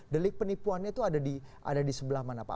delik penipuannya itu ada di sebelah mana pak